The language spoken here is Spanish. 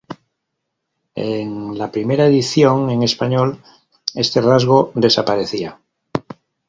En la primera edición en español este rasgo desaparecía.